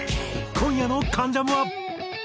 今夜の『関ジャム』は。